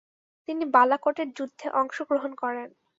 তিনি বালাকোটের যুদ্ধে অংশগ্রহণ করেন।